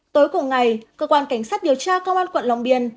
tối cùng ngày cơ quan cảnh sát điều tra công an quận long biên